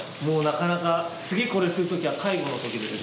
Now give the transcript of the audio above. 次これする時は介護の時です。